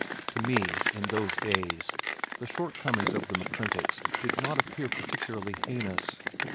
To me, in those days, the shortcomings of the McClintocks did not appear particularly heinous.